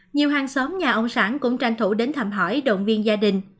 nhiều hàng xóm nhà ông sản cũng tranh thủ đến thăm hỏi động viên gia đình